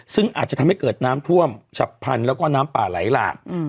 ซึ่งอาจจะทำให้เกิดน้ำท่วมฉับพันธุ์แล้วก็น้ำป่าไหลหลาก